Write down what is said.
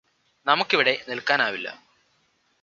നമുക്കിവിടെ നില്ക്കാനാവില്ല